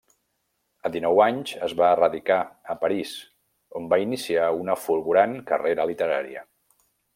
A dinou anys es va radicar a Paris on va iniciar una fulgurant carrera literària.